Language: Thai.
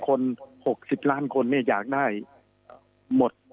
ทุกคน๖๐ล้านคนเนี่ยอยากได้หมด